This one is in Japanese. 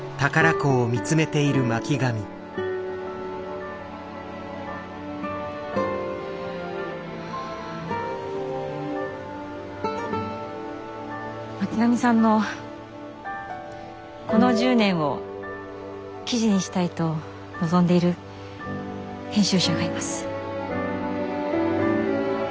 巻上さんのこの１０年を記事にしたいと望んでいる編集者がいます。